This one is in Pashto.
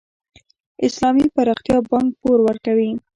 د اسلامي پراختیا بانک پور ورکوي؟